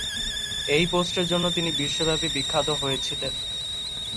এই পোস্টের জন্য তিনি বিশ্বব্যাপী বিখ্যাত হয়েছিলেন।